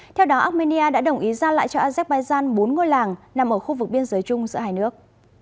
theo đó armenia đã đồng ý giao lại cho azerbaijan bốn ngôi làng nằm ở khu vực biên giới chung giữa hai nước